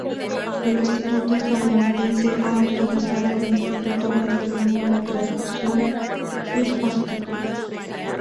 El instituto estadounidense ha autorizado al instituto brasileño la traducción sus artículos.